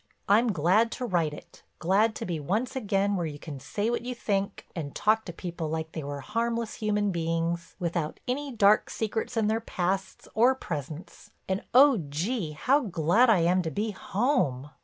I'm glad to write it, glad to be once again where you can say what you think, and talk to people like they were harmless human beings without any dark secrets in their pasts or presents, and, Oh, Gee, how glad I am to be home!